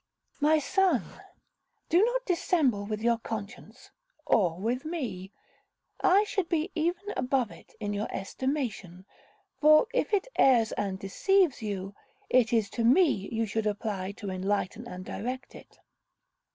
'My son, do not dissemble with your conscience, or with me. I should be even above it in your estimation; for if it errs and deceives you, it is to me you should apply to enlighten and direct it.